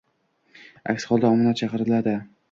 aks holda omonat chaqiriladi